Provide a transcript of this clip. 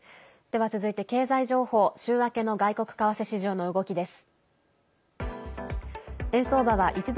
では続いて経済情報週明けの外国為替市場の動きです。